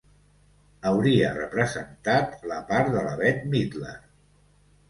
Hauria representat la part de la Bette Midler.